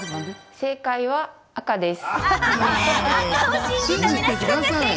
正解は、赤です。